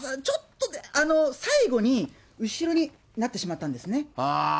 ちょっと、最後に後ろになってしまったんですね。